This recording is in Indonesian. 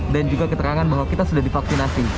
dan juga keterangan bahwa kita sudah divaksinasi